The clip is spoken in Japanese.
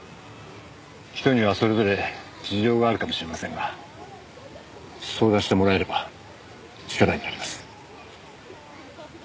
人にはそれぞれ事情があるかもしれませんが相談してもらえれば力になります。